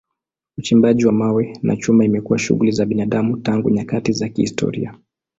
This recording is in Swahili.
Uchimbaji wa mawe na chuma imekuwa shughuli za binadamu tangu nyakati za kihistoria.